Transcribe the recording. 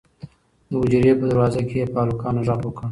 د حجرې په دروازه کې یې په هلکانو غږ وکړ.